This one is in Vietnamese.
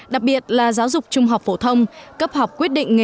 đặc biệt là giáo dục trung học phổ thông cấp học quyết định nghề nghiệp